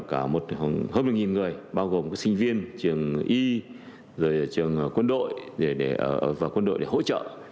cả hơn một mươi người bao gồm sinh viên trường y rồi trường quân đội và quân đội để hỗ trợ